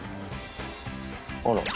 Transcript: あら。